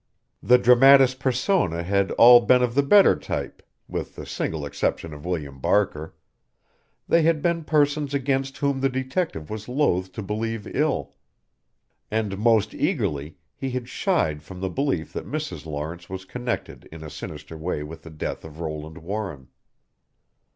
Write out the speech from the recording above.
The dramatis personae had all been of the better type, with the single exception of William Barker they had been persons against whom the detective was loath to believe ill. And, most eagerly, he had shied from the belief that Mrs. Lawrence was connected in a sinister way with the death of Roland Warren.